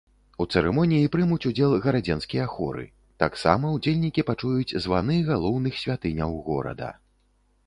У цырымоніі прымуць удзел гарадзенскія хоры, таксама ўдзельнікі пачуюць званы галоўных святыняў горада.